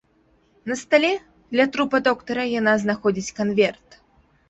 На стале, ля трупа доктара яна знаходзіць канверт.